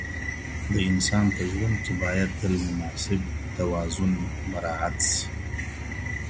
د انسان په ژوند کي باید تل مناسب توازن مراعات سي.